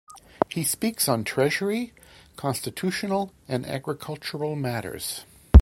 He speaks on Treasury, Constitutional, and Agricultural matters.